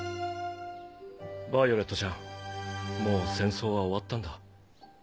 ヴァイオレットちゃんもう戦争は終わったんだ。